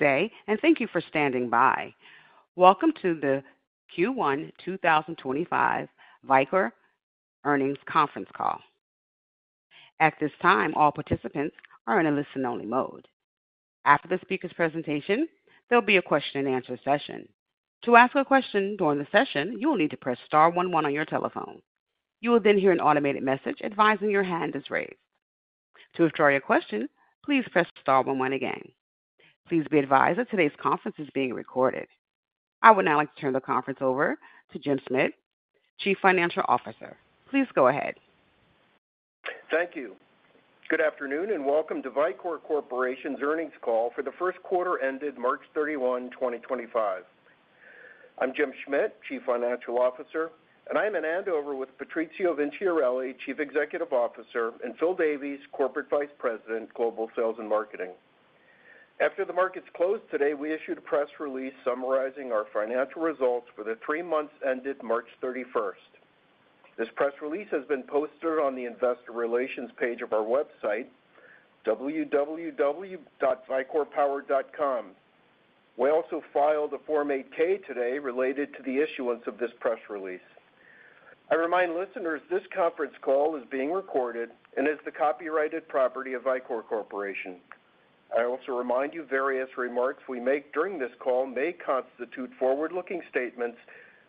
Today, and thank you for standing by. Welcome to the Q1 2025 Vicor Earnings Conference Call. At this time, all participants are in a listen-only mode. After the speakers' presentation, there'll be a question-and-answer session. To ask a question during the session, you'll need to press star 11 on your telephone. You will then hear an automated message advising your hand is raised. To withdraw your question, please press star 11 again. Please be advised that today's conference is being recorded. I would now like to turn the conference over to Jim Schmidt, Chief Financial Officer. Please go ahead. Thank you. Good afternoon and welcome to Vicor Corporation's earnings call for the first quarter ended March 31, 2025. I'm Jim Schmidt, Chief Financial Officer, and I'm in Andover with Patrizio Vinciarelli, Chief Executive Officer, and Phil Davies, Corporate Vice President, Global Sales and Marketing. After the markets closed today, we issued a press release summarizing our financial results for the three months ended March 31. This press release has been posted on the investor relations page of our website, www.vicorpower.com. We also filed a Form 8-K today related to the issuance of this press release. I remind listeners this conference call is being recorded and is the copyrighted property of Vicor Corporation. I also remind you various remarks we make during this call may constitute forward-looking statements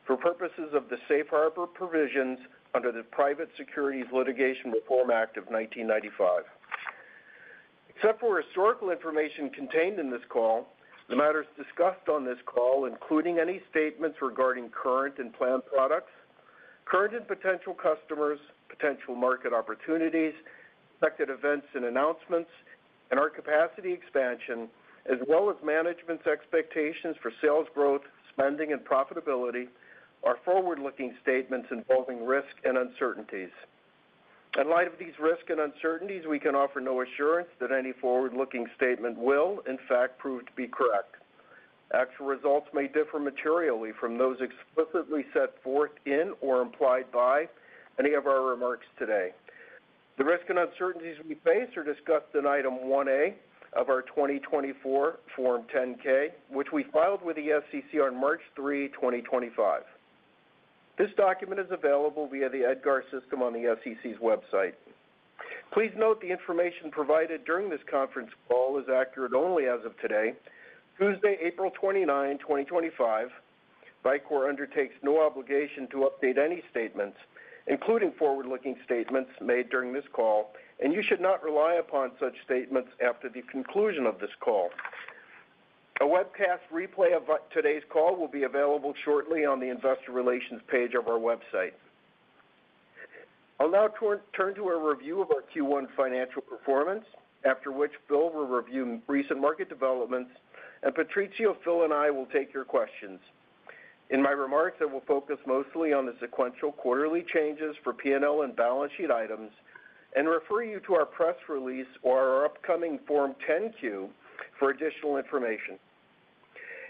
for purposes of the safe harbor provisions under the Private Securities Litigation Reform Act of 1995. Except for historical information contained in this call, the matters discussed on this call, including any statements regarding current and planned products, current and potential customers, potential market opportunities, expected events and announcements, and our capacity expansion, as well as management's expectations for sales growth, spending, and profitability, are forward-looking statements involving risk and uncertainties. In light of these risk and uncertainties, we can offer no assurance that any forward-looking statement will, in fact, prove to be correct. Actual results may differ materially from those explicitly set forth in or implied by any of our remarks today. The risk and uncertainties we face are discussed in item 1A of our 2024 Form 10-K, which we filed with the SEC on March 3, 2025. This document is available via the EDGAR system on the SEC's website. Please note the information provided during this conference call is accurate only as of today, Tuesday, April 29, 2025. Vicor undertakes no obligation to update any statements, including forward-looking statements made during this call, and you should not rely upon such statements after the conclusion of this call. A webcast replay of today's call will be available shortly on the investor relations page of our website. I'll now turn to a review of our Q1 financial performance, after which Phil will review recent market developments, and Patrizio, Phil and I will take your questions. In my remarks, I will focus mostly on the sequential quarterly changes for P&L and balance sheet items and refer you to our press release or our upcoming Form 10-Q for additional information.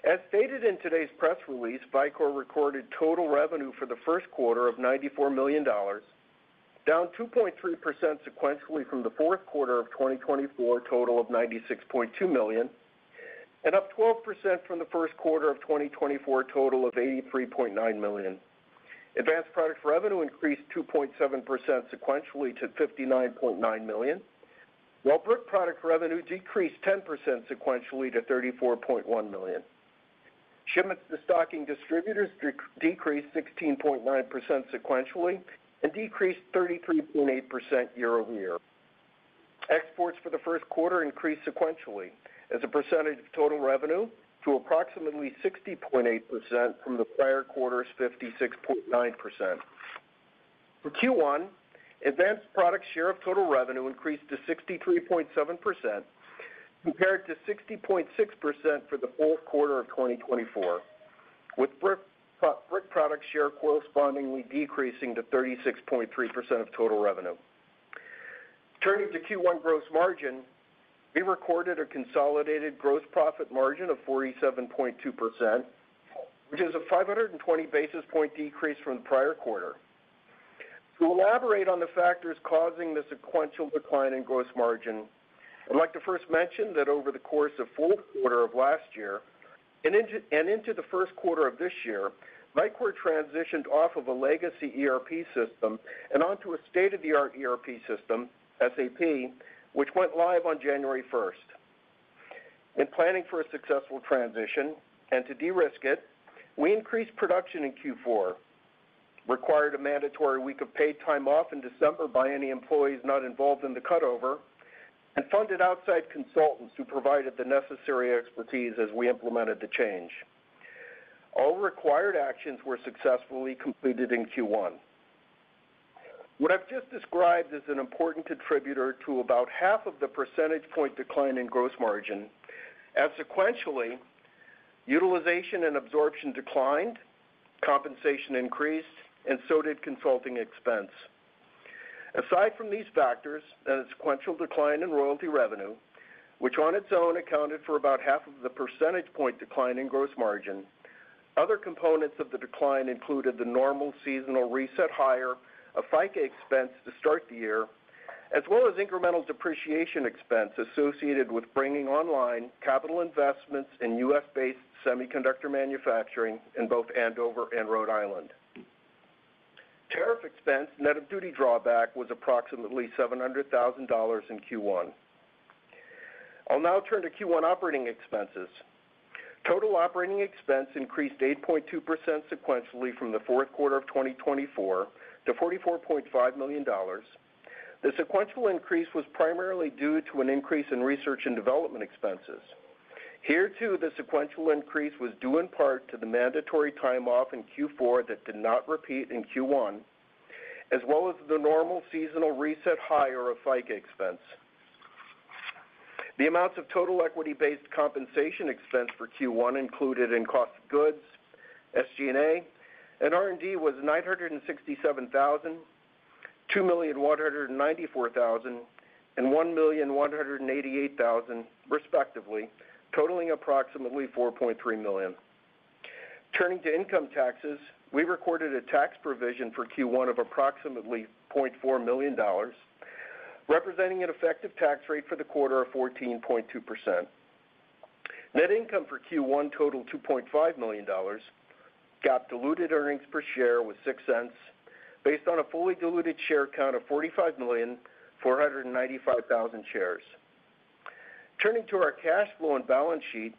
As stated in today's press release, Vicor recorded total revenue for the first quarter of $94 million, down 2.3% sequentially from the fourth quarter of 2024 total of $96.2 million, and up 12% from the first quarter of 2024 total of $83.9 million. Advanced product revenue increased 2.7% sequentially to $59.9 million, while Brick product revenue decreased 10% sequentially to $34.1 million. Shipments to stocking distributors decreased 16.9% sequentially and decreased 33.8% year over year. Exports for the first quarter increased sequentially as a percentage of total revenue to approximately 60.8% from the prior quarter's 56.9%. For Q1, advanced product share of total revenue increased to 63.7% compared to 60.6% for the fourth quarter of 2024, with Brick product share correspondingly decreasing to 36.3% of total revenue. Turning to Q1 gross margin, we recorded a consolidated gross profit margin of 47.2%, which is a 520 basis point decrease from the prior quarter. To elaborate on the factors causing the sequential decline in gross margin, I'd like to first mention that over the course of the fourth quarter of last year and into the first quarter of this year, Vicor transitioned off of a legacy ERP system and onto a state-of-the-art ERP system, SAP, which went live on January 1st. In planning for a successful transition and to de-risk it, we increased production in Q4, required a mandatory week of paid time off in December by any employees not involved in the cutover, and funded outside consultants who provided the necessary expertise as we implemented the change. All required actions were successfully completed in Q1. What I've just described is an important contributor to about 0.5 percentage point decline in gross margin, as sequentially utilization and absorption declined, compensation increased, and so did consulting expense. Aside from these factors and the sequential decline in royalty revenue, which on its own accounted for about 0.5 percentage point decline in gross margin, other components of the decline included the normal seasonal reset higher of FICA expense to start the year, as well as incremental depreciation expense associated with bringing online capital investments in U.S.-based semiconductor manufacturing in both Andover and Rhode Island. Tariff expense and net of duty drawback was approximately $700,000 in Q1. I'll now turn to Q1 operating expenses. Total operating expense increased 8.2% sequentially from the fourth quarter of 2024 to $44.5 million. The sequential increase was primarily due to an increase in research and development expenses. Here, too, the sequential increase was due in part to the mandatory time off in Q4 that did not repeat in Q1, as well as the normal seasonal reset hire of FICA expense. The amounts of total equity-based compensation expense for Q1 included in cost of goods, SG&A, and R&D was $967,000, $2,194,000, and $1,188,000, respectively, totaling approximately $4.3 million. Turning to income taxes, we recorded a tax provision for Q1 of approximately $0.4 million, representing an effective tax rate for the quarter of 14.2%. Net income for Q1 totaled $2.5 million. GAAP diluted earnings per share was 6 cents based on a fully diluted share count of 45,495,000 shares. Turning to our cash flow and balance sheet,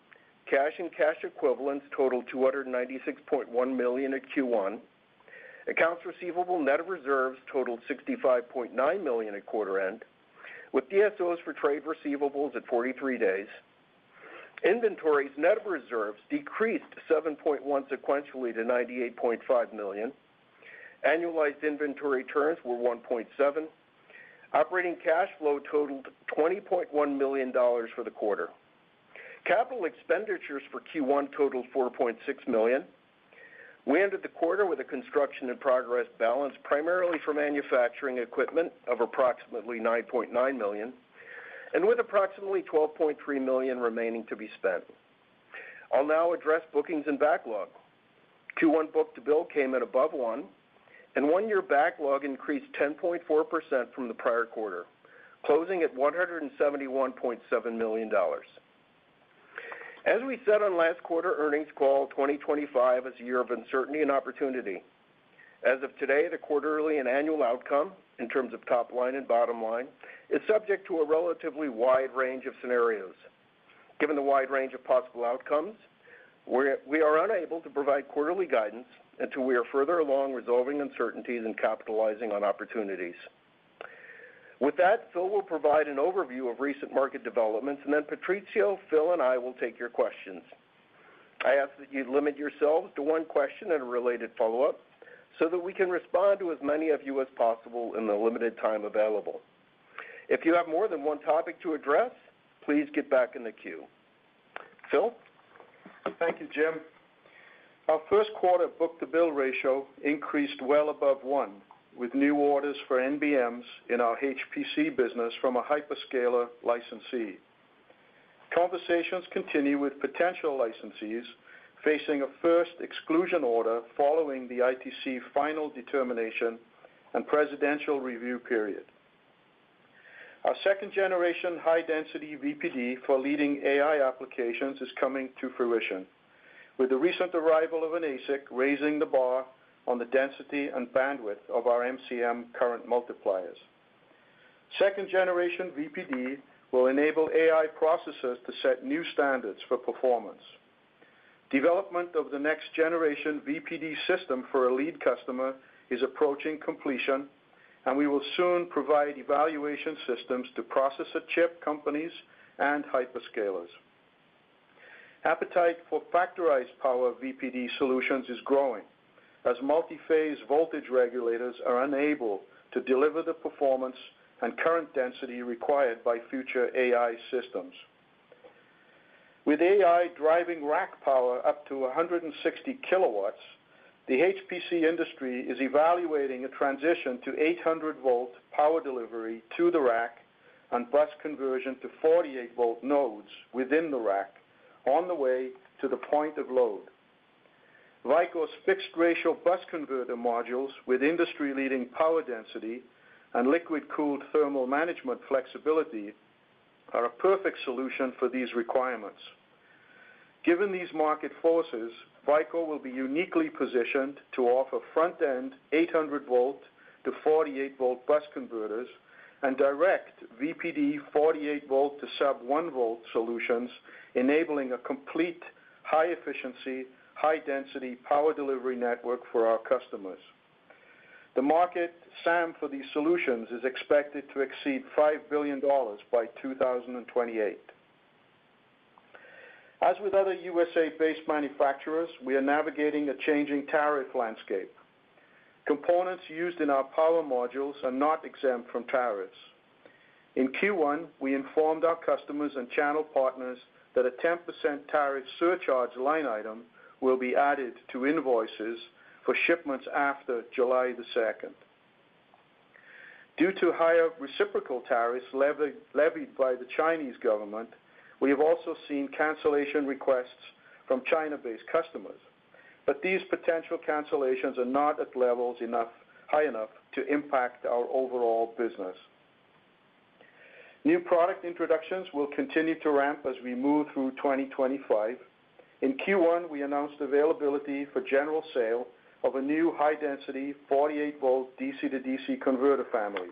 cash and cash equivalents totaled $296.1 million at Q1. Accounts receivable net of reserves totaled $65.9 million at quarter end, with DSOs for trade receivables at 43 days. Inventory's net of reserves decreased 7.1% sequentially to $98.5 million. Annualized inventory turns were 1.7. Operating cash flow totaled $20.1 million for the quarter. Capital expenditures for Q1 totaled $4.6 million. We ended the quarter with a construction in progress balance primarily for manufacturing equipment of approximately $9.9 million, and with approximately $12.3 million remaining to be spent. I'll now address bookings and backlog. Q1 book-to-bill came in above 1x, and one-year backlog increased 10.4% from the prior quarter, closing at $171.7 million. As we said on last quarter earnings call, 2025 is a year of uncertainty and opportunity. As of today, the quarterly and annual outcome in terms of top line and bottom line is subject to a relatively wide range of scenarios. Given the wide range of possible outcomes, we are unable to provide quarterly guidance until we are further along resolving uncertainties and capitalizing on opportunities. With that, Phil will provide an overview of recent market developments, and then Patrizio, Phil, and I will take your questions. I ask that you limit yourselves to one question and a related follow-up so that we can respond to as many of you as possible in the limited time available. If you have more than one topic to address, please get back in the queue. Phil? Thank you, Jim. Our first quarter book-to-bill ratio increased well above 1x, with new orders for NBMs in our HPC business from a hyperscaler licensee. Conversations continue with potential licensees facing a first exclusion order following the ITC final determination and presidential review period. Our second-generation high-density VPD for leading AI applications is coming to fruition, with the recent arrival of an ASIC raising the bar on the density and bandwidth of our MCM current multipliers. Second-generation VPD will enable AI processors to set new standards for performance. Development of the next-generation VPD system for a lead customer is approaching completion, and we will soon provide evaluation systems to processor chip companies and hyperscalers. Appetite for Factorized Power VPD solutions is growing as multi-phase voltage regulators are unable to deliver the performance and current density required by future AI systems. With AI driving rack power up to 160 kW, the HPC industry is evaluating a transition to 800-volt power delivery to the rack and bus conversion to 48-volt nodes within the rack on the way to the point of load. Vicor's fixed ratio bus converter modules with industry-leading power density and liquid-cooled thermal management flexibility are a perfect solution for these requirements. Given these market forces, Vicor will be uniquely positioned to offer front-end 800-volt to 48-volt bus converters and direct VPD 48-volt to sub-1-volt solutions, enabling a complete high-efficiency, high-density power delivery network for our customers. The market SAM for these solutions is expected to exceed $5 billion by 2028. As with other U.S.-based manufacturers, we are navigating a changing tariff landscape. Components used in our power modules are not exempt from tariffs. In Q1, we informed our customers and channel partners that a 10% tariff surcharge line item will be added to invoices for shipments after July the 2nd. Due to higher reciprocal tariffs levied by the Chinese government, we have also seen cancellation requests from China-based customers, but these potential cancellations are not at levels high enough to impact our overall business. New product introductions will continue to ramp as we move through 2025. In Q1, we announced availability for general sale of a new high-density 48-volt DC-to-DC converter family.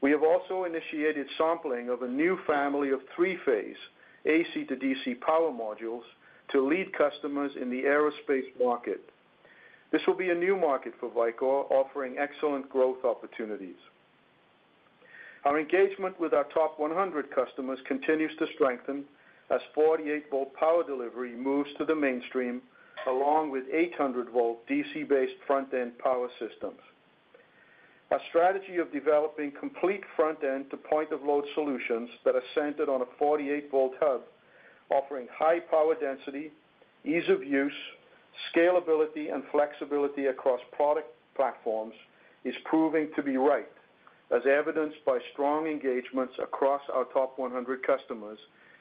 We have also initiated sampling of a new family of three-phase AC-to-DC power modules to lead customers in the aerospace market. This will be a new market for Vicor, offering excellent growth opportunities. Our engagement with our top 100 customers continues to strengthen as 48-volt power delivery moves to the mainstream along with 800-volt DC-based front-end power systems. Our strategy of developing complete front-end to point-of-load solutions that are centered on a 48-volt hub, offering high power density, ease of use, scalability, and flexibility across product platforms, is proving to be right, as evidenced by strong engagements across our top 100 customers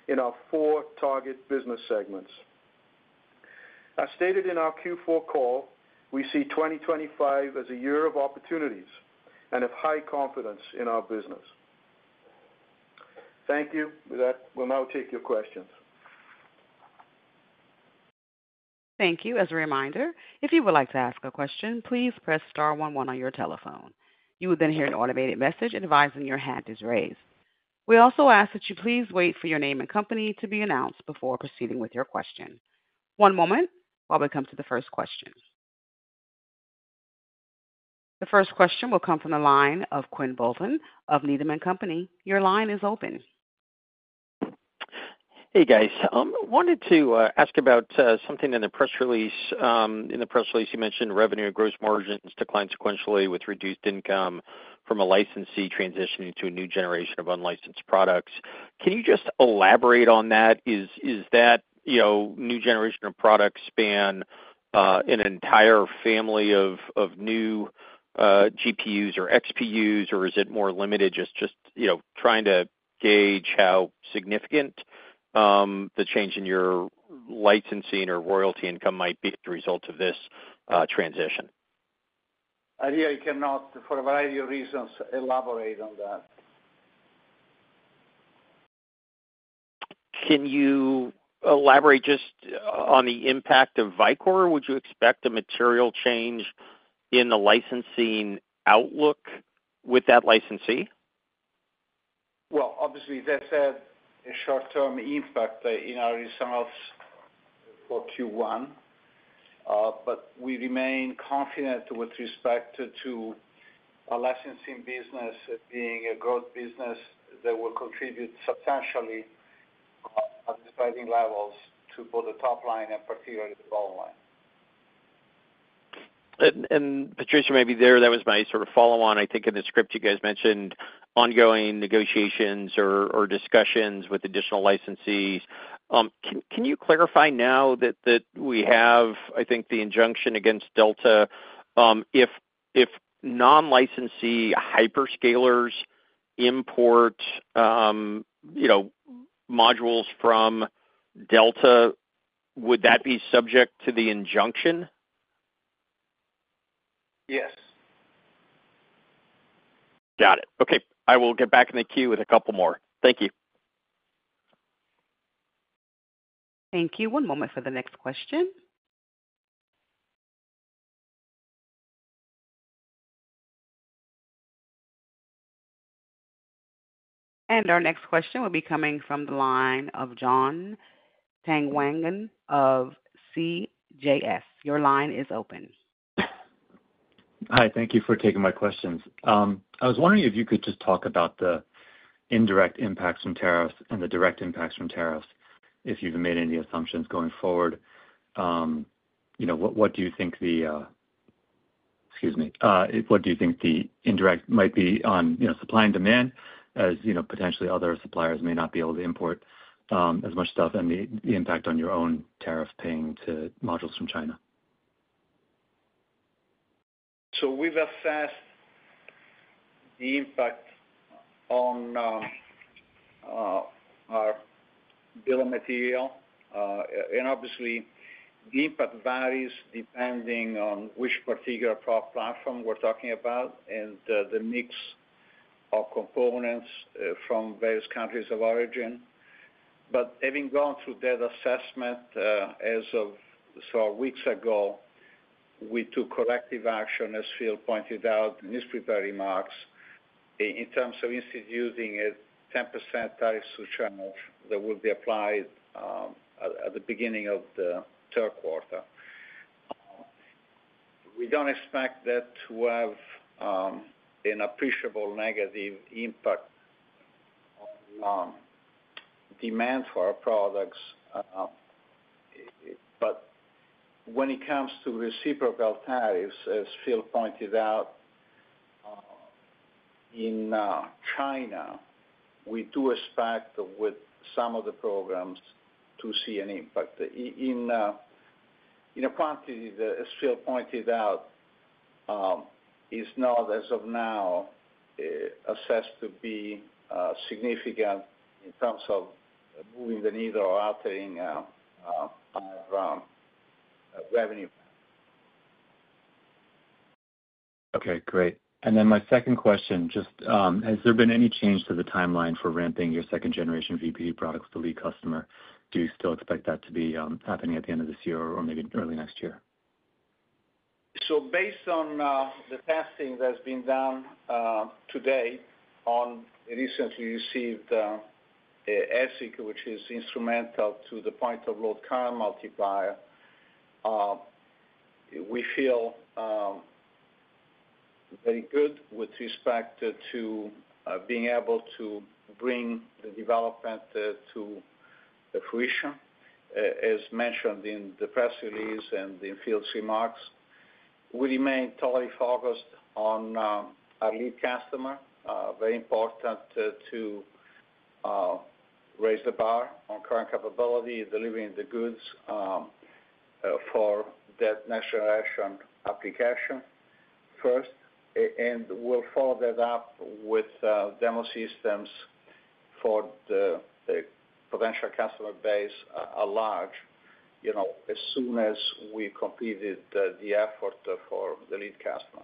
in our four target business segments. As stated in our Q4 call, we see 2025 as a year of opportunities and have high confidence in our business. Thank you. With that, we'll now take your questions. Thank you. As a reminder, if you would like to ask a question, please press star 11 on your telephone. You will then hear an automated message advising your hand is raised. We also ask that you please wait for your name and company to be announced before proceeding with your question. One moment while we come to the first question. The first question will come from the line of Quinn Bolton of Needham & Company. Your line is open. Hey, guys. I wanted to ask about something in the press release. In the press release, you mentioned revenue and gross margins decline sequentially with reduced income from a licensee transitioning to a new generation of unlicensed products. Can you just elaborate on that? Is that new generation of products span an entire family of new GPUs or XPUs, or is it more limited? Just trying to gauge how significant the change in your licensing or royalty income might be as a result of this transition. Ideally, you can ask for a variety of reasons. Elaborate on that. Can you elaborate just on the impact of Vicor? Would you expect a material change in the licensing outlook with that licensee? Obviously, that's a short-term impact in our results for Q1, but we remain confident with respect to our licensing business being a growth business that will contribute substantially at the starting levels to both the top line and particularly the bottom line. Patrizio, maybe there, that was my sort of follow-on. I think in the script, you guys mentioned ongoing negotiations or discussions with additional licensees. Can you clarify, now that we have, I think, the injunction against Delta? If non-licensee hyperscalers import modules from Delta, would that be subject to the injunction? Yes. Got it. Okay. I will get back in the queue with a couple more. Thank you. Thank you. One moment for the next question. Our next question will be coming from the line of John Tanwanteng of CJS. Your line is open. Hi. Thank you for taking my questions. I was wondering if you could just talk about the indirect impacts from tariffs and the direct impacts from tariffs, if you've made any assumptions going forward. What do you think the—excuse me—what do you think the indirect might be on supply and demand, as potentially other suppliers may not be able to import as much stuff, and the impact on your own tariff paying to modules from China? We've assessed the impact on our bill of material. Obviously, the impact varies depending on which particular platform we're talking about and the mix of components from various countries of origin. Having gone through that assessment as of several weeks ago, we took corrective action, as Phil pointed out in his prepared remarks, in terms of instituting a 10% tariff surcharge that will be applied at the beginning of the third quarter. We don't expect that to have an appreciable negative impact on demand for our products. When it comes to reciprocal tariffs, as Phil pointed out, in China, we do expect with some of the programs to see an impact. In a quantity that, as Phil pointed out, is not, as of now, assessed to be significant in terms of moving the needle or altering our revenue. Okay. Great. My second question, just has there been any change to the timeline for ramping your second-generation VPD products to lead customer? Do you still expect that to be happening at the end of this year or maybe early next year? Based on the testing that's been done today on recently received ASIC, which is instrumental to the point-of-load current multiplier, we feel very good with respect to being able to bring the development to fruition, as mentioned in the press release and in Phil's remarks. We remain totally focused on our lead customer, very important to raise the bar on current capability delivering the goods for that next-generation application first, and we'll follow that up with demo systems for the potential customer base at large as soon as we completed the effort for the lead customer.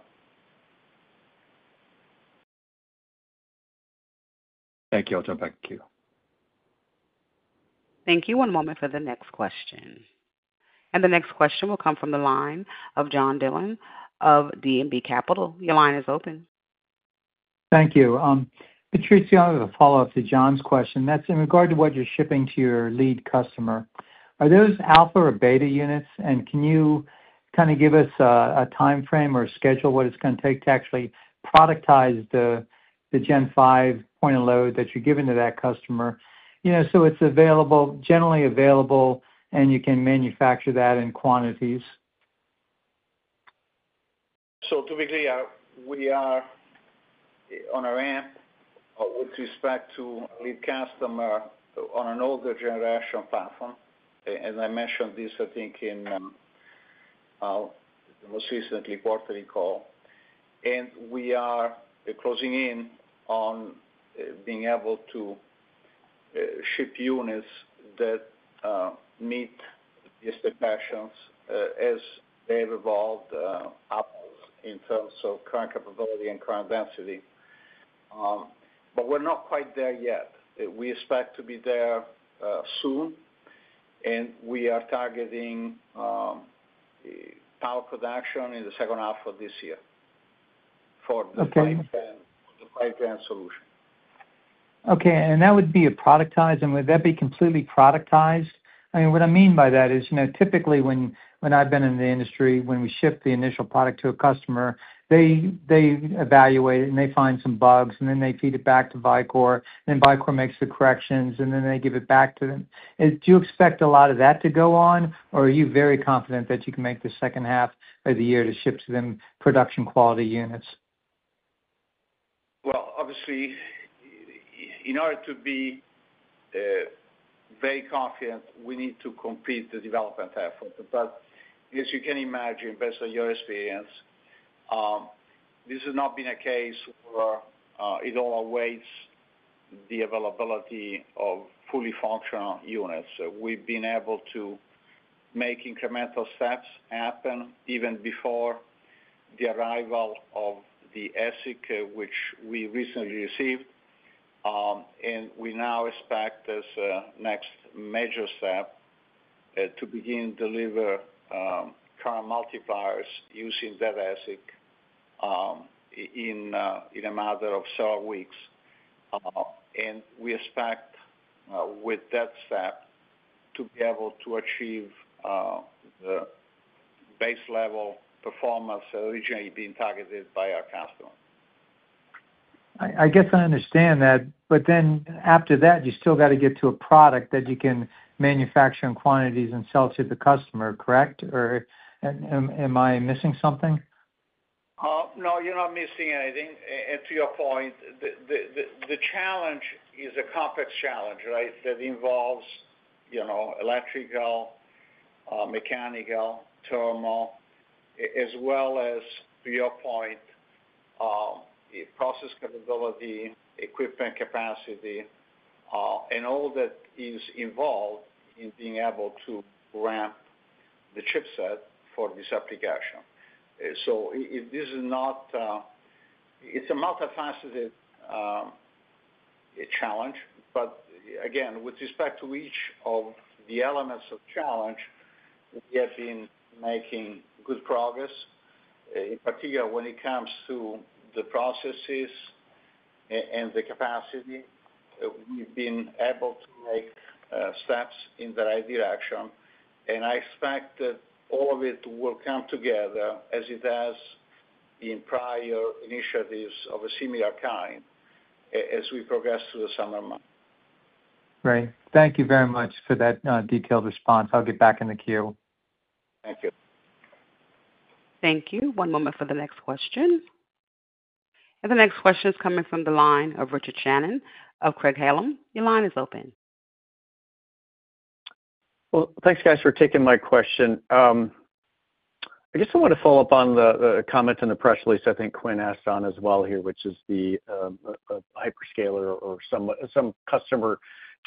Thank you. I'll jump back in the queue. Thank you. One moment for the next question. The next question will come from the line of John Dillon of D&B Capital. Your line is open. Thank you. Patrizio, as a follow-up to John's question, that's in regard to what you're shipping to your lead customer. Are those alpha or beta units? Can you kind of give us a timeframe or schedule what it's going to take to actually productize the Gen 5 point-of-load that you're giving to that customer so it's generally available and you can manufacture that in quantities? To be clear, we are on a ramp with respect to lead customer on an older generation platform. I mentioned this, I think, in the most recent quarterly call. We are closing in on being able to ship units that meet the expectations as they've evolved in terms of current capability and current density. We're not quite there yet. We expect to be there soon, and we are targeting power production in the second half of this year for the 5th-gen solution. Okay. That would be a productize. Would that be completely productized? I mean, what I mean by that is typically when I've been in the industry, when we ship the initial product to a customer, they evaluate it, and they find some bugs, and then they feed it back to Vicor, and then Vicor makes the corrections, and then they give it back to them. Do you expect a lot of that to go on, or are you very confident that you can make the second half of the year to ship to them production-quality units? Obviously, in order to be very confident, we need to complete the development effort. As you can imagine, based on your experience, this has not been a case where it all awaits the availability of fully functional units. We've been able to make incremental steps happen even before the arrival of the ASIC, which we recently received. We now expect as a next major step to begin to deliver current multipliers using that ASIC in a matter of several weeks. We expect with that step to be able to achieve the base-level performance originally being targeted by our customer. I guess I understand that. After that, you still got to get to a product that you can manufacture in quantities and sell to the customer, correct? Or am I missing something? No, you're not missing anything. To your point, the challenge is a complex challenge, right, that involves electrical, mechanical, thermal, as well as, to your point, process capability, equipment capacity, and all that is involved in being able to ramp the chipset for this application. This is not—it's a multifaceted challenge. Again, with respect to each of the elements of challenge, we have been making good progress. In particular, when it comes to the processes and the capacity, we've been able to make steps in the right direction. I expect that all of it will come together as it has in prior initiatives of a similar kind as we progress through the summer months. Great. Thank you very much for that detailed response. I'll get back in the queue. Thank you. Thank you. One moment for the next question. The next question is coming from the line of Richard Shannon of Craig-Hallum. Your line is open. Thanks, guys, for taking my question. I guess I want to follow up on the comment in the press release I think Quinn asked on as well here, which is the hyperscaler or some customer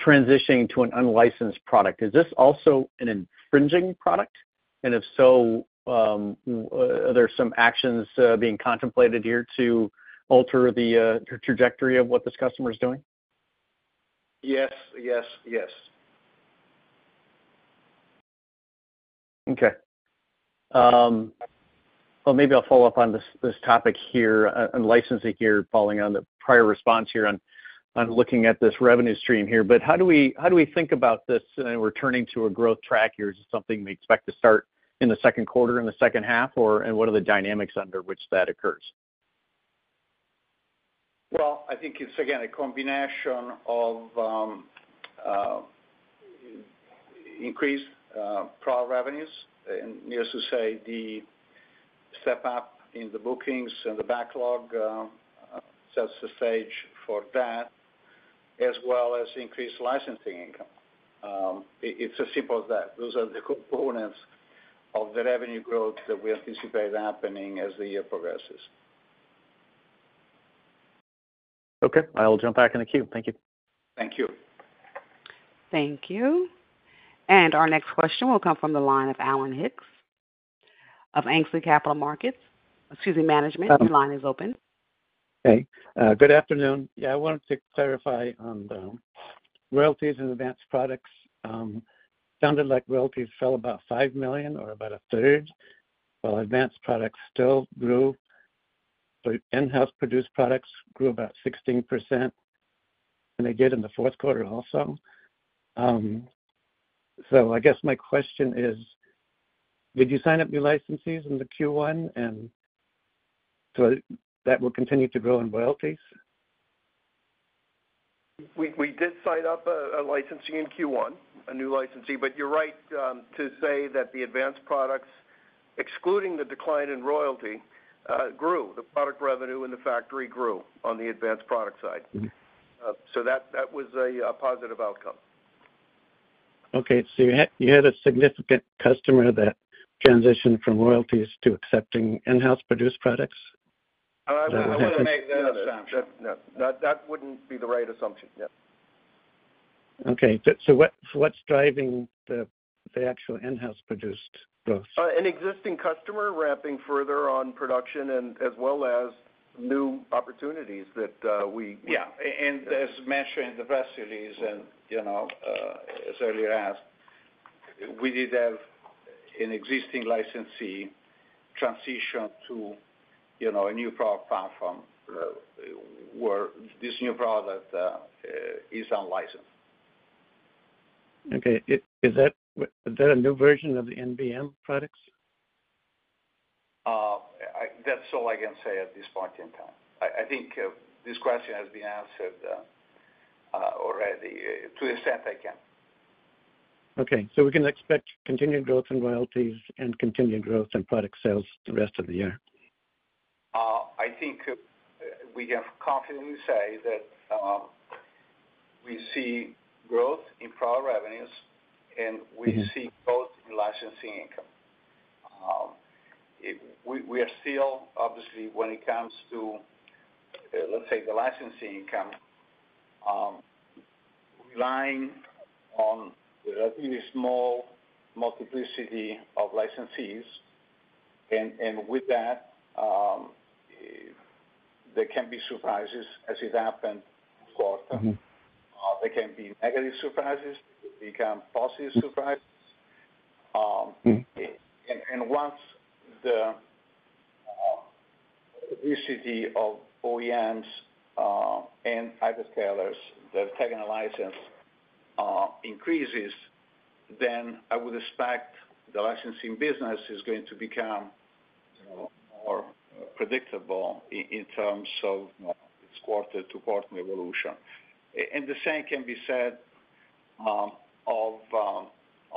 transitioning to an unlicensed product. Is this also an infringing product? If so, are there some actions being contemplated here to alter the trajectory of what this customer is doing? Yes. Yes. Yes. Okay. Maybe I'll follow up on this topic here, on licensing here, following on the prior response here on looking at this revenue stream here. How do we think about this returning to a growth track here? Is it something we expect to start in the second quarter, in the second half? What are the dynamics under which that occurs? I think it's, again, a combination of increased prior revenues. Needless to say, the step-up in the bookings and the backlog sets the stage for that, as well as increased licensing income. It's as simple as that. Those are the components of the revenue growth that we anticipate happening as the year progresses. Okay. I'll jump back in the queue. Thank you. Thank you. Thank you. Our next question will come from the line of Alan Hicks of Ainsley Capital Management. Your line is open. Hey. Good afternoon. Yeah, I wanted to clarify on royalties and advanced products. Sounded like royalties fell about $5 million or about a third, while advanced products still grew. But in-house produced products grew about 16%, and they did in the fourth quarter also. I guess my question is, did you sign up new licenses in the Q1? And that will continue to grow in royalties? We did sign up a licensing in Q1, a new licensing. You are right to say that the advanced products, excluding the decline in royalty, grew. The product revenue in the factory grew on the advanced product side. That was a positive outcome. Okay. You had a significant customer that transitioned from royalties to accepting in-house produced products? That wouldn't make that assumption. That wouldn't be the right assumption. Yeah. Okay. What's driving the actual in-house produced growth? An existing customer ramping further on production as well as new opportunities that we—yeah. As mentioned in the press release and as earlier asked, we did have an existing licensee transition to a new product platform where this new product is unlicensed. Okay. Is that a new version of the NBM products? That's all I can say at this point in time. I think this question has been answered already to the extent I can. Okay. So we can expect continued growth in royalties and continued growth in product sales the rest of the year? I think we can confidently say that we see growth in prior revenues, and we see growth in licensing income. We are still, obviously, when it comes to, let's say, the licensing income, relying on a really small multiplicity of licensees. With that, there can be surprises as it happened this quarter. There can be negative surprises. There can be positive surprises. Once the publicity of OEMs and hyperscalers that are taking a license increases, I would expect the licensing business is going to become more predictable in terms of its quarter-to-quarter evolution. The same can be said on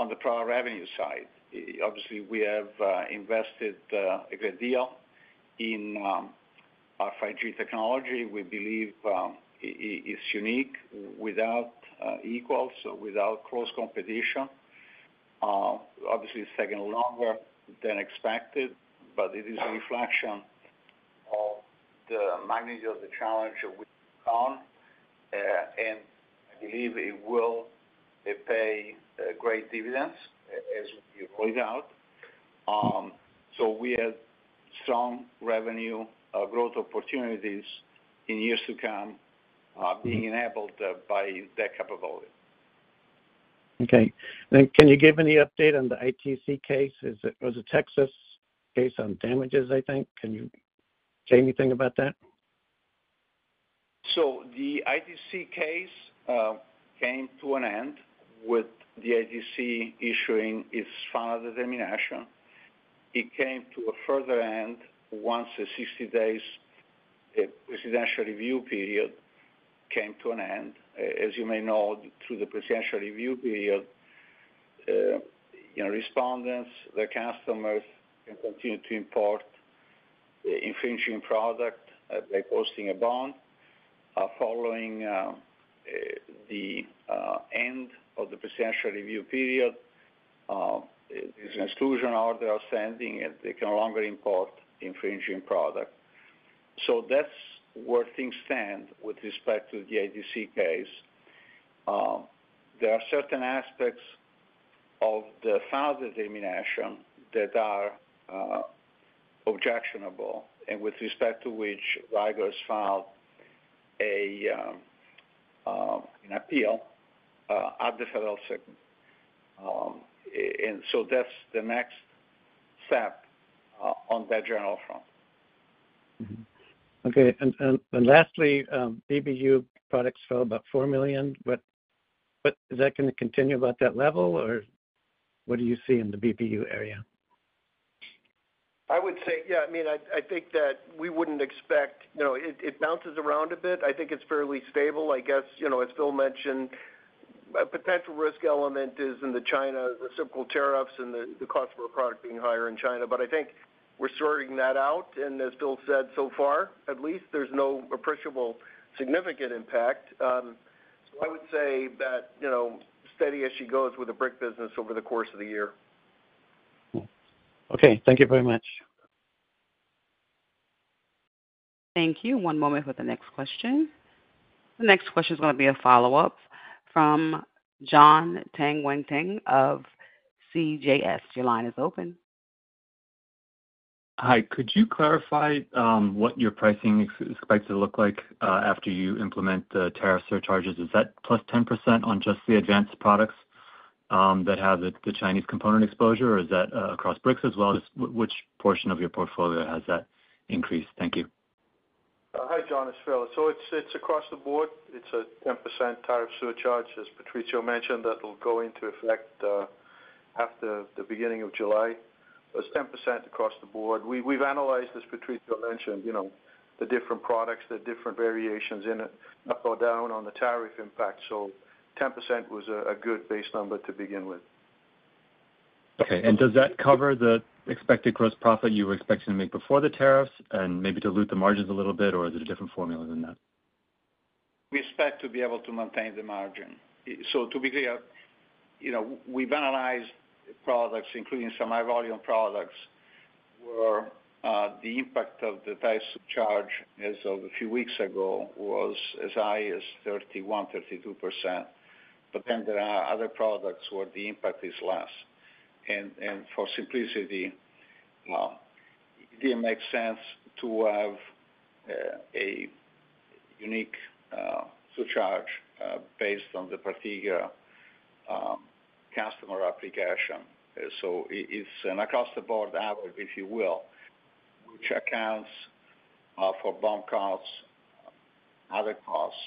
the prior revenue side. Obviously, we have invested a great deal in our 5G technology. We believe it's unique, without equals, without close competition. Obviously, it's taking longer than expected, but it is a reflection of the magnitude of the challenge we've gone on. I believe it will pay great dividends as we roll it out. We have strong revenue growth opportunities in years to come being enabled by that capability. Okay. Can you give any update on the ITC case? It was a Texas case on damages, I think. Can you say anything about that? The ITC case came to an end with the ITC issuing its final determination. It came to a further end once the 60-day presidential review period came to an end. As you may know, through the presidential review period, respondents, the customers can continue to import infringing product by posting a bond. Following the end of the presidential review period, there's an exclusion order outstanding, and they can no longer import infringing product. That's where things stand with respect to the ITC case. There are certain aspects of the final determination that are objectionable and with respect to which Vicor has filed an appeal at the federal circuit. That's the next step on that general front. Okay. Lastly, BBU products fell about $4 million. Is that going to continue about that level, or what do you see in the BBU area? I would say, yeah, I mean, I think that we wouldn't expect it bounces around a bit. I think it's fairly stable. I guess, as Phil mentioned, a potential risk element is in the China, the typical tariffs and the cost per product being higher in China. I think we're sorting that out. As Phil said, so far, at least, there's no appreciable significant impact. I would say that steady as she goes with the brick business over the course of the year. Okay. Thank you very much. Thank you. One moment for the next question. The next question is going to be a follow-up from John Tanwanteng of CJS. Your line is open. Hi. Could you clarify what your pricing expected to look like after you implement the tariff surcharges? Is that +10% on just the advanced products that have the Chinese component exposure, or is that across bricks as well? Which portion of your portfolio has that increased? Thank you. Hi, John. It's Phil. It's across the board. It's a 10% tariff surcharge, as Patrizio mentioned, that will go into effect after the beginning of July. It's 10% across the board. We've analyzed this, Patrizio mentioned, the different products, the different variations in it, up or down on the tariff impact. 10% was a good base number to begin with. Okay. Does that cover the expected gross profit you were expecting to make before the tariffs and maybe dilute the margins a little bit, or is it a different formula than that? We expect to be able to maintain the margin. To be clear, we've analyzed products, including some high-volume products, where the impact of the tariff surcharge as of a few weeks ago was as high as 31%-32%. There are other products where the impact is less. For simplicity, it didn't make sense to have a unique surcharge based on the particular customer application. It is an across-the-board average, if you will, which accounts for BOM costs, other costs,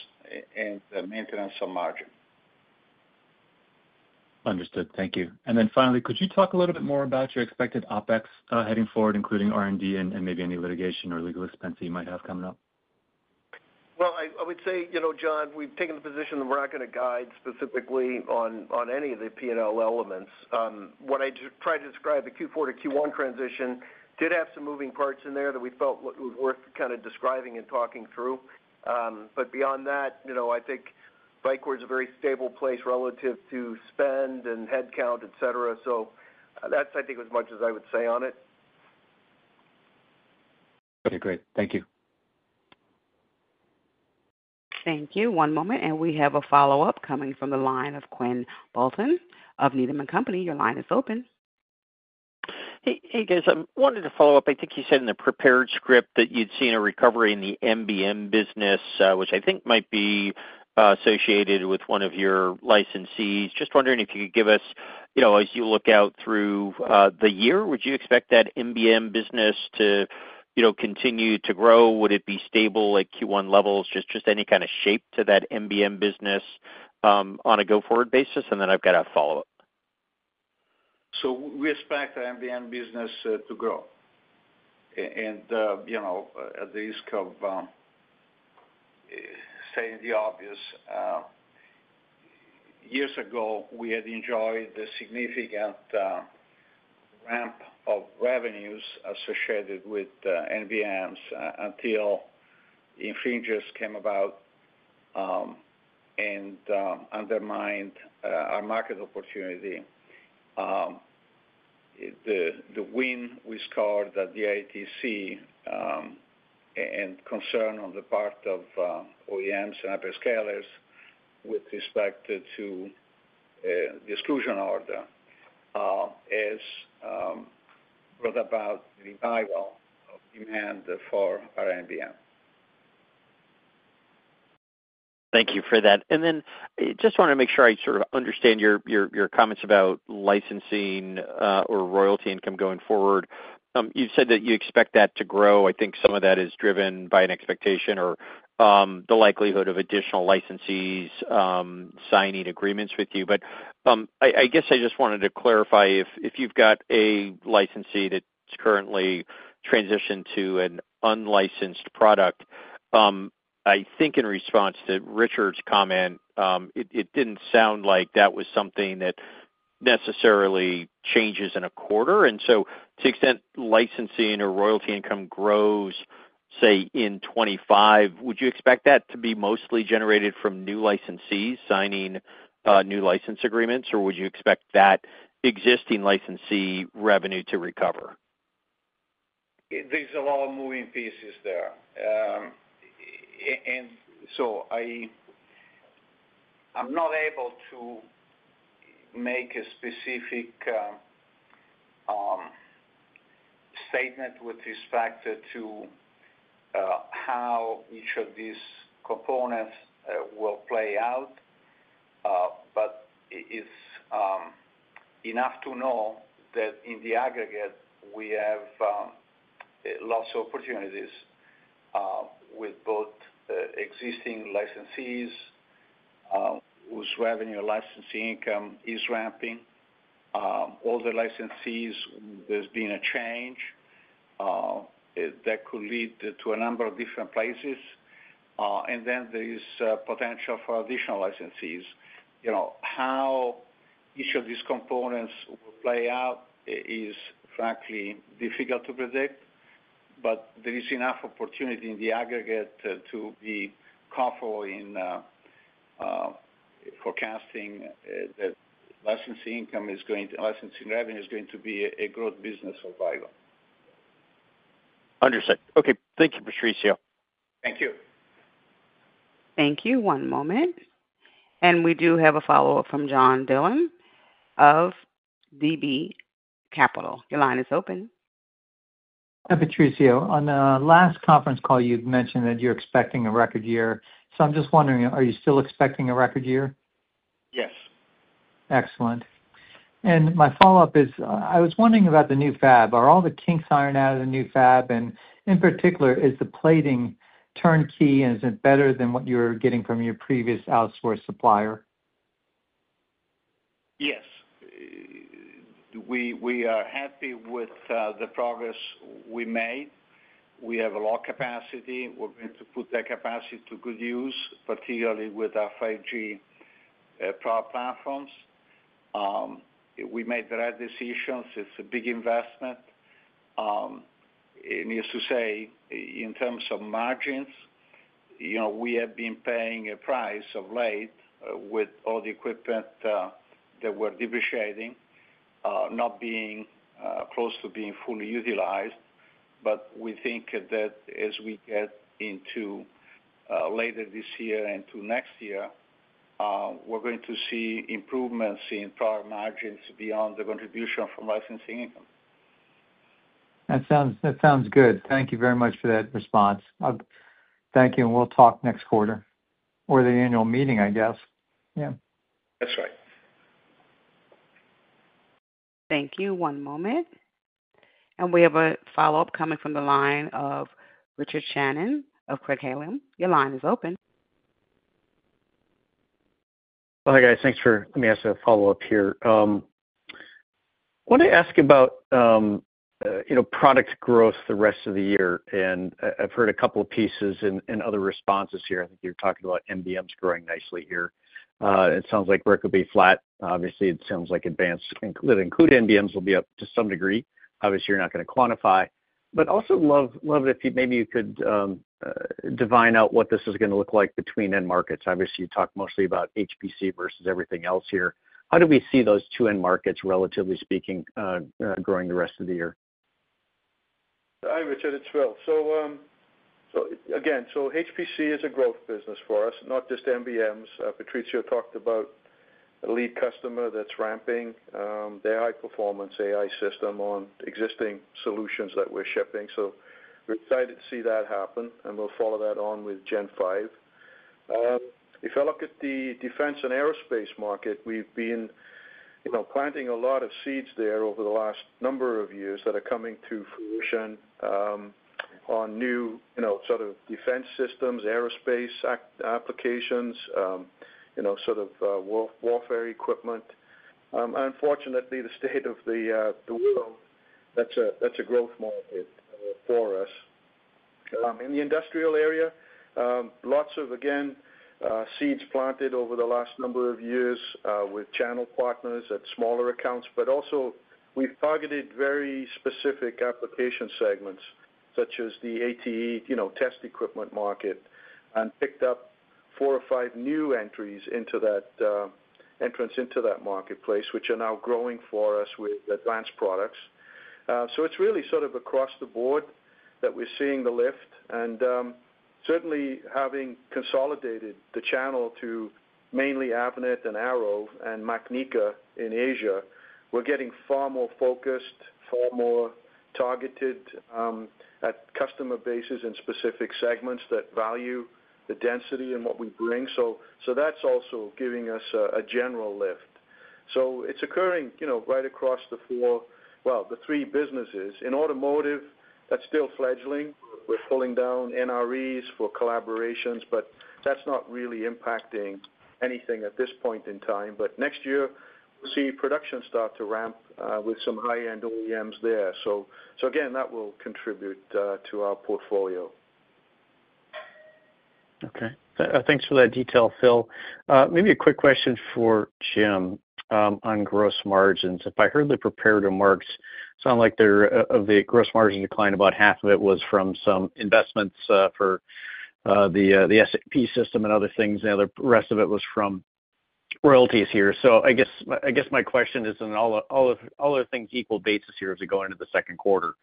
and maintenance of margin. Understood. Thank you. Finally, could you talk a little bit more about your expected OpEx heading forward, including R&D and maybe any litigation or legal expense that you might have coming up? I would say, John, we've taken the position that we're not going to guide specifically on any of the P&L elements. What I tried to describe, the Q4 to Q1 transition, did have some moving parts in there that we felt it was worth kind of describing and talking through. Beyond that, I think Vicor is a very stable place relative to spend and headcount, etc. That's, I think, as much as I would say on it. Okay. Great. Thank you. Thank you. One moment. We have a follow-up coming from the line of Quinn Bolton of Needham & Company. Your line is open. Hey, guys. I wanted to follow up. I think you said in the prepared script that you'd seen a recovery in the NBM business, which I think might be associated with one of your licensees. Just wondering if you could give us, as you look out through the year, would you expect that NBM business to continue to grow? Would it be stable at Q1 levels? Just any kind of shape to that NBM business on a go-forward basis? I have a follow-up. We expect the NBM business to grow. At the risk of saying the obvious, years ago, we had enjoyed the significant ramp of revenues associated with NBMs until infringers came about and undermined our market opportunity. The win we scored at the ITC and concern on the part of OEMs and hyperscalers with respect to the exclusion order has brought about the revival of demand for our NBM. Thank you for that. I just wanted to make sure I sort of understand your comments about licensing or royalty income going forward. You said that you expect that to grow. I think some of that is driven by an expectation or the likelihood of additional licensees signing agreements with you. I just wanted to clarify if you've got a licensee that's currently transitioned to an unlicensed product. I think in response to Richard's comment, it did not sound like that was something that necessarily changes in a quarter. To the extent licensing or royalty income grows, say, in 2025, would you expect that to be mostly generated from new licensees signing new license agreements, or would you expect that existing licensee revenue to recover? are a lot of moving pieces there. I am not able to make a specific statement with respect to how each of these components will play out. It is enough to know that in the aggregate, we have lots of opportunities with both existing licensees whose revenue or licensee income is ramping. All the licensees, there has been a change that could lead to a number of different places. There is potential for additional licensees. How each of these components will play out is, frankly, difficult to predict. There is enough opportunity in the aggregate to be comfortable in forecasting that licensing income is going to, licensing revenue is going to be a growth business for Vicor. Understood. Okay. Thank you, Patrizio. Thank you. Thank you. One moment. We do have a follow-up from John Dillon of D&B Capital. Your line is open. Hi, Patrizio. On the last conference call, you'd mentioned that you're expecting a record year. I'm just wondering, are you still expecting a record year? Yes. Excellent. My follow-up is, I was wondering about the new fab. Are all the kinks ironed out of the new fab? In particular, is the plating turnkey? Is it better than what you were getting from your previous outsourced supplier? Yes. We are happy with the progress we made. We have a lot of capacity. We're going to put that capacity to good use, particularly with our 5G power platforms. We made the right decisions. It's a big investment. Needless to say, in terms of margins, we have been paying a price of late with all the equipment that we're depreciating, not being close to being fully utilized. We think that as we get into later this year and to next year, we're going to see improvements in prior margins beyond the contribution from licensing income. That sounds good. Thank you very much for that response. Thank you. We will talk next quarter or the annual meeting, I guess. Yeah. That's right. Thank you. One moment. We have a follow-up coming from the line of Richard Shannon of Craig-Hallum. Your line is open. Hi, guys. Thanks for letting me ask a follow-up here. I wanted to ask about product growth the rest of the year. I've heard a couple of pieces and other responses here. I think you're talking about NBMs growing nicely here. It sounds like brick will be flat. Obviously, it sounds like advanced, including NBMs, will be up to some degree. Obviously, you're not going to quantify. I would also love it if maybe you could divine out what this is going to look like between end markets. Obviously, you talk mostly about HPC versus everything else here. How do we see those two end markets, relatively speaking, growing the rest of the year? Hi, Richard. It's Phil. Again, HPC is a growth business for us, not just NBMs. Patrizio talked about a lead customer that's ramping their high-performance AI system on existing solutions that we're shipping. We're excited to see that happen, and we'll follow that on with Gen 5. If I look at the defense and aerospace market, we've been planting a lot of seeds there over the last number of years that are coming to fruition on new sort of defense systems, aerospace applications, sort of warfare equipment. Unfortunately, the state of the world, that's a growth market for us. In the industrial area, lots of, again, seeds planted over the last number of years with channel partners at smaller accounts. We've targeted very specific application segments, such as the ATE test equipment market, and picked up four or five new entries into that entrance into that marketplace, which are now growing for us with advanced products. It's really sort of across the board that we're seeing the lift. Certainly, having consolidated the channel to mainly Avnet and Arrow and Macnica in Asia, we're getting far more focused, far more targeted at customer bases and specific segments that value the density and what we bring. That's also giving us a general lift. It's occurring right across the four, well, the three businesses. In automotive, that's still fledgling. We're pulling down NREs for collaborations, but that's not really impacting anything at this point in time. Next year, we'll see production start to ramp with some high-end OEMs there. That will contribute to our portfolio. Okay. Thanks for that detail, Phil. Maybe a quick question for Jim on gross margins. If I heard the prepared remarks, it sounds like the gross margin decline, about half of it was from some investments for the SAP system and other things. The rest of it was from royalties here. I guess my question is, all other things equal basis here as we go into the second quarter.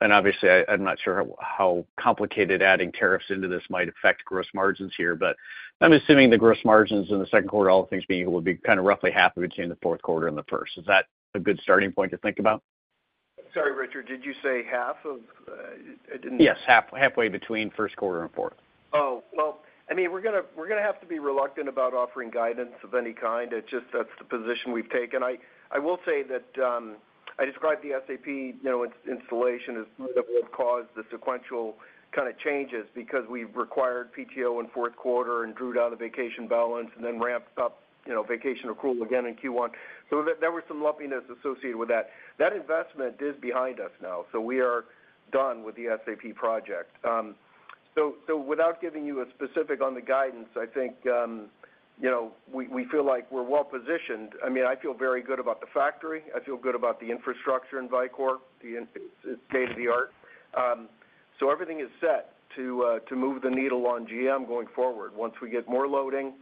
Obviously, I'm not sure how complicated adding tariffs into this might affect gross margins here. I'm assuming the gross margins in the second quarter, all things being equal, would be kind of roughly half between the fourth quarter and the first. Is that a good starting point to think about? Sorry, Richard. Did you say half of? Yes. Halfway between first quarter and fourth. Oh, I mean, we're going to have to be reluctant about offering guidance of any kind. It's just that's the position we've taken. I will say that I described the SAP installation as sort of what caused the sequential kind of changes because we required PTO in fourth quarter and drew down the vacation balance and then ramped up vacation accrual again in Q1. There was some lumpiness associated with that. That investment is behind us now. We are done with the SAP project. Without giving you a specific on the guidance, I think we feel like we're well positioned. I mean, I feel very good about the factory. I feel good about the infrastructure in Vicor. It's state of the art. Everything is set to move the needle on GM going forward once we get more loading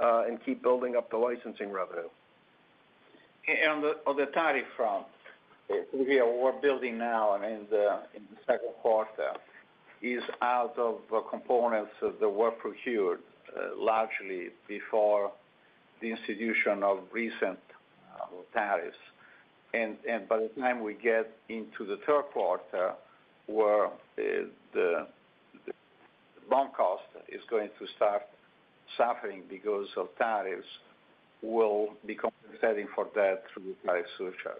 and keep building up the licensing revenue. On the tariff front, we are building now in the second quarter is out of components that were procured largely before the institution of recent tariffs. By the time we get into the third quarter where the BOM costs is going to start suffering because of tariffs, we'll become setting for that through the tariff surcharge.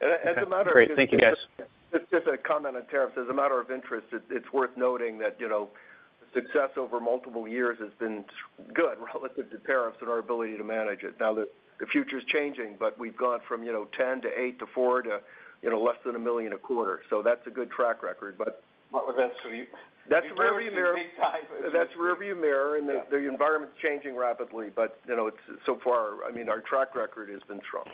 That's great. Thank you, guys. Just a comment on tariffs. As a matter of interest, it's worth noting that success over multiple years has been good relative to tariffs and our ability to manage it. Now, the future is changing, but we've gone from $10 million to $8 million to $4 million to less than $1 million a quarter. So that's a good track record. That's a rearview mirror. That's a rearview mirror. The environment's changing rapidly. So far, I mean, our track record has been strong.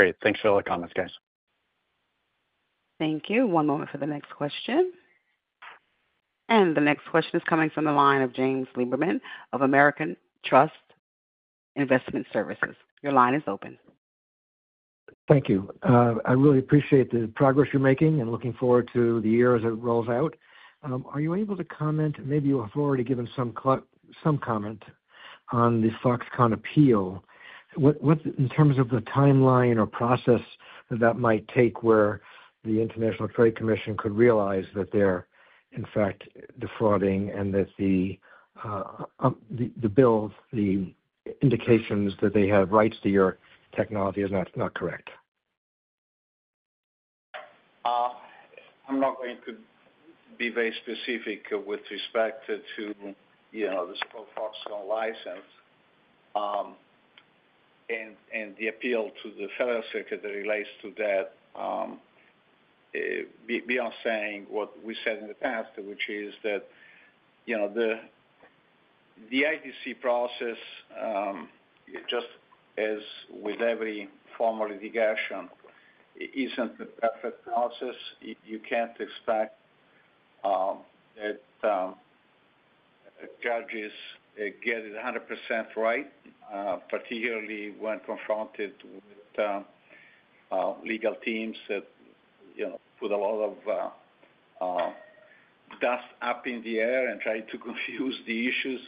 Okay. Great. Thanks for all the comments, guys. Thank you. One moment for the next question. The next question is coming from the line of James Lieberman of American Trust Investment Services. Your line is open. Thank you. I really appreciate the progress you're making and looking forward to the year as it rolls out. Are you able to comment? Maybe you have already given some comment on the Foxconn appeal. In terms of the timeline or process that that might take where the International Trade Commission could realize that they're, in fact, defrauding and that the bills, the indications that they have rights to your technology is not correct? I'm not going to be very specific with respect to the so-called Foxconn license and the appeal to the Federal Circuit that relates to that beyond saying what we said in the past, which is that the ITC process, just as with every formal litigation, isn't the perfect process. You can't expect that judges get it 100% right, particularly when confronted with legal teams that put a lot of dust up in the air and try to confuse the issues.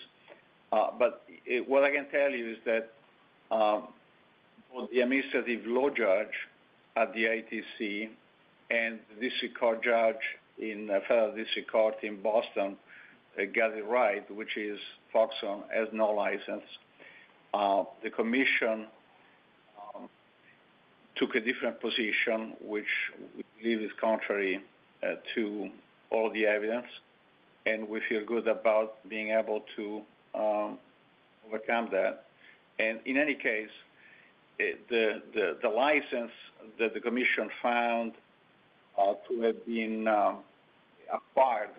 What I can tell you is that the administrative law judge at the ITC and the district court judge in Federal District Court in Boston got it right, which is Foxconn has no license. The commission took a different position, which we believe is contrary to all the evidence. We feel good about being able to overcome that. In any case, the license that the commission found to have been "acquired"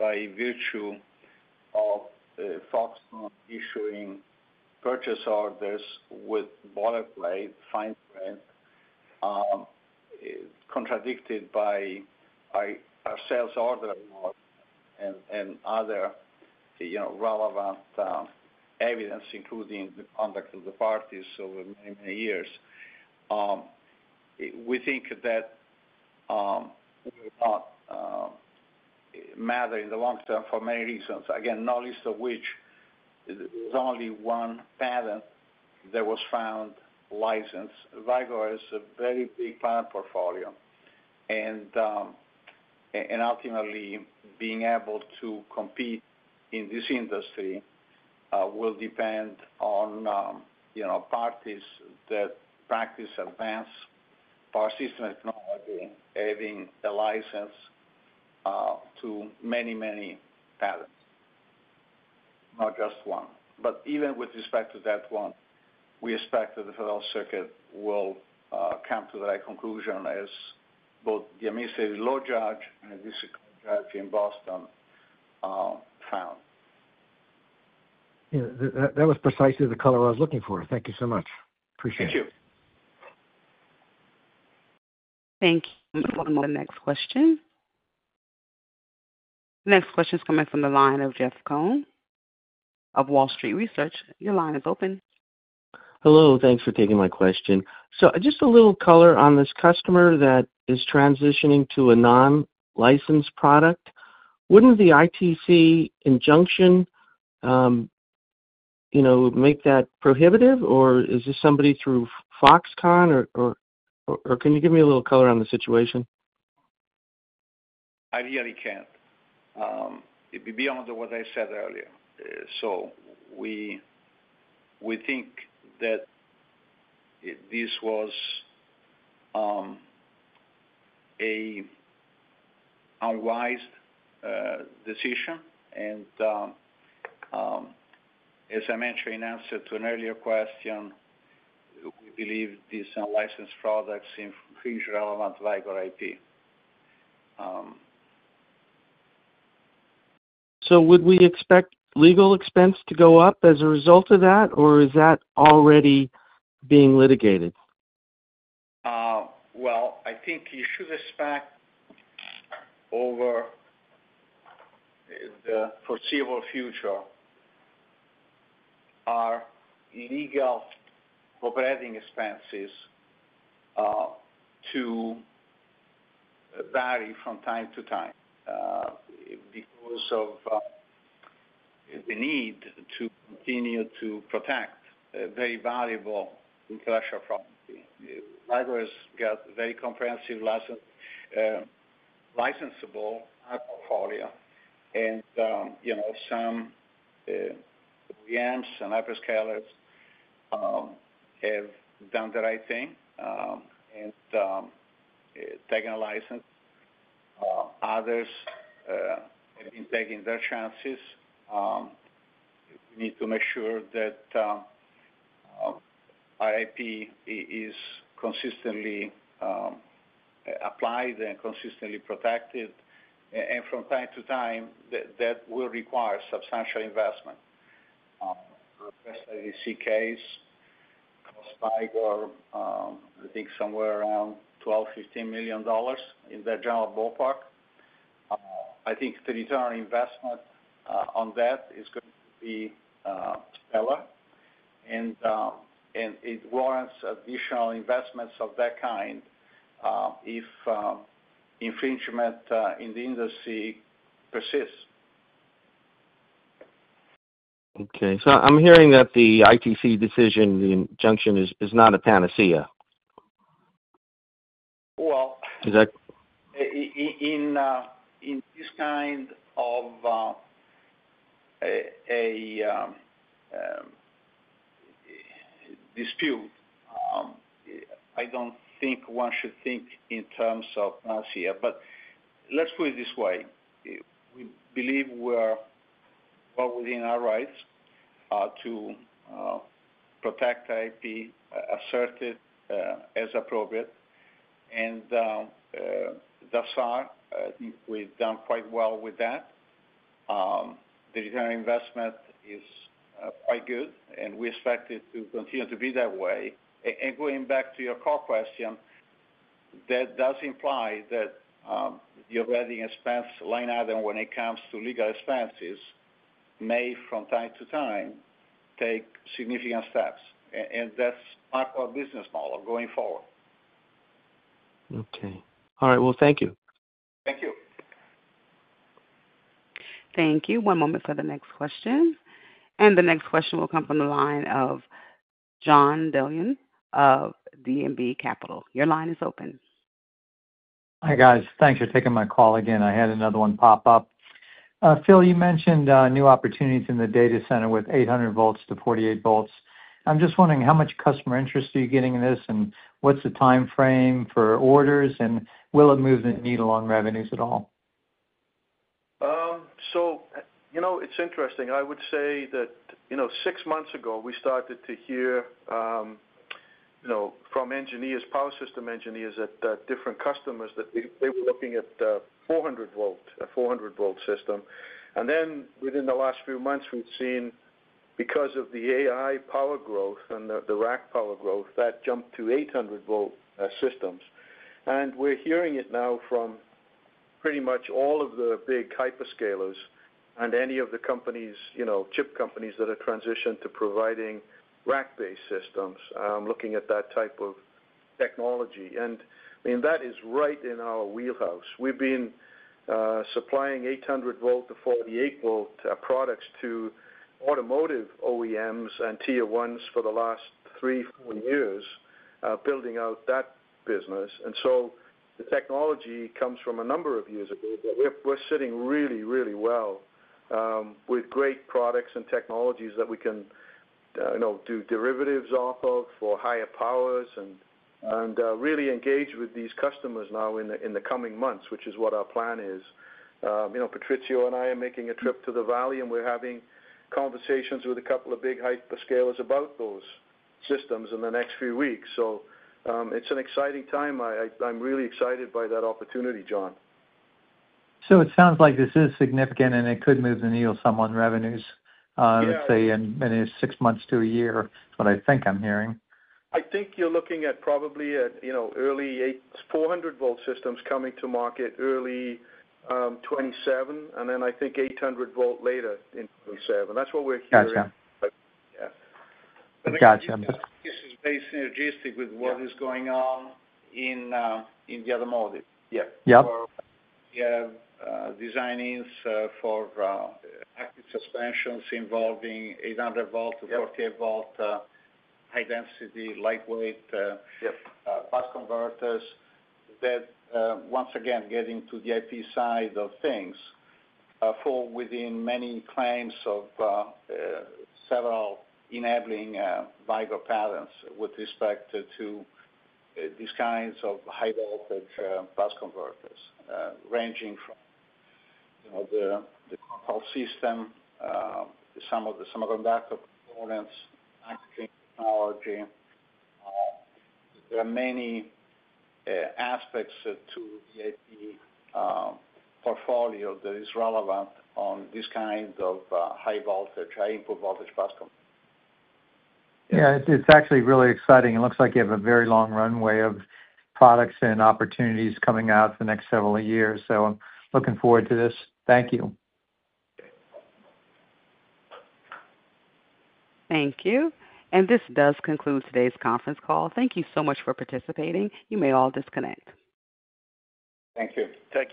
by virtue of Foxconn issuing purchase orders with boilerplate fine print contradicted by our sales order and other relevant evidence, including the conduct of the parties over many, many years. We think that we are not mattering in the long term for many reasons, again, no list of which there is only one patent that was found licensed. Vicor has a very big patent portfolio. Ultimately, being able to compete in this industry will depend on parties that practice advanced power system technology having a license to many, many patents, not just one. Even with respect to that one, we expect that the Federal Circuit will come to the right conclusion as both the administrative law judge and the district court judge in Boston found. That was precisely the color I was looking for. Thank you so much. Appreciate it. Thank you. Thank you. One more next question. Next question is coming from the line of Jeff Cohn of Wall Street Research. Your line is open. Hello. Thanks for taking my question. Just a little color on this customer that is transitioning to a non-licensed product. Wouldn't the ITC injunction make that prohibitive, or is this somebody through Foxconn? Can you give me a little color on the situation? Ideally, it can't. It'd be beyond what I said earlier. We think that this was an unwise decision. As I mentioned in answer to an earlier question, we believe these are licensed products in huge relevant Vicor IP. Would we expect legal expense to go up as a result of that, or is that already being litigated? I think you should expect over the foreseeable future our legal operating expenses to vary from time to time because of the need to continue to protect very valuable intellectual property. Vicor has got a very comprehensive licensable portfolio. Some OEMs and hyperscalers have done the right thing and taken a license. Others have been taking their chances. We need to make sure that our IP is consistently applied and consistently protected. From time to time, that will require substantial investment. Our best ITC case costs Vicor, I think, somewhere around $12 million-$15 million in that general ballpark. I think the return on investment on that is going to be stellar. It warrants additional investments of that kind if infringement in the industry persists. Okay. I'm hearing that the ITC decision, the injunction, is not a panacea. Well. Is that? In this kind of a dispute, I don't think one should think in terms of panacea. Let's put it this way. We believe we're well within our rights to protect IP asserted as appropriate. Thus far, I think we've done quite well with that. The return on investment is quite good, and we expect it to continue to be that way. Going back to your core question, that does imply that the operating expense line item when it comes to legal expenses may, from time to time, take significant steps. That's part of our business model going forward. Okay. All right. Thank you. Thank you. Thank you. One moment for the next question. The next question will come from the line of John Dillon of D&B Capital. Your line is open. Hi, guys. Thanks for taking my call again. I had another one pop up. Phil, you mentioned new opportunities in the data center with 800 volts to 48 volts. I'm just wondering, how much customer interest are you getting in this, and what's the timeframe for orders, and will it move the needle on revenues at all? It is interesting. I would say that six months ago, we started to hear from power system engineers at different customers that they were looking at the 400-volt system. Within the last few months, we have seen, because of the AI power growth and the rack power growth, that jumped to 800-volt systems. We are hearing it now from pretty much all of the big hyperscalers and any of the chip companies that have transitioned to providing rack-based systems, looking at that type of technology. I mean, that is right in our wheelhouse. We have been supplying 800-volt to 48-volt products to automotive OEMs and Tier 1s for the last three, four years, building out that business. The technology comes from a number of years ago. We're sitting really, really well with great products and technologies that we can do derivatives off of for higher powers and really engage with these customers now in the coming months, which is what our plan is. Patrizio and I are making a trip to the Valley, and we're having conversations with a couple of big hyperscalers about those systems in the next few weeks. It is an exciting time. I'm really excited by that opportunity, John. It sounds like this is significant, and it could move the needle somewhat in revenues, let's say, in six months to a year is what I think I'm hearing. I think you're looking at probably at early 400-volt systems coming to market early 2027, and then I think 800-volt later in 2027. That's what we're hearing. Yeah. Got it. This is based in logistics with what is going on in the automotive. Yeah. We have design needs for active suspensions involving 800-volt to 48-volt high-density, lightweight bus converters that, once again, get into the IP side of things for within many claims of several enabling Vicor patents with respect to these kinds of high-voltage bus converters, ranging from the control system, some of the semiconductor components, active technology. There are many aspects to the IP portfolio that is relevant on this kind of high-voltage, high-input voltage bus converter. Yeah. It's actually really exciting. It looks like you have a very long runway of products and opportunities coming out the next several years. I am looking forward to this. Thank you. Thank you. This does conclude today's conference call. Thank you so much for participating. You may all disconnect. Thank you. Thank you.